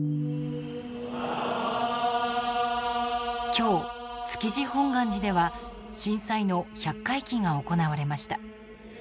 今日、築地本願寺では震災の百回忌が行われました。